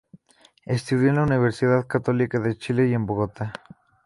Estudió en la Universidad Católica de Chile y en Bogotá.